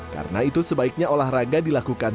karena itu sebaiknya olahraga dilakukan